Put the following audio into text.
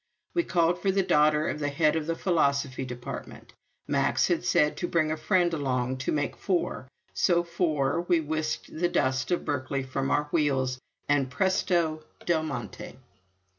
We called for the daughter of the head of the Philosophy Department. Max had said to bring a friend along to make four; so, four, we whisked the dust of Berkeley from our wheels and presto Del Monte!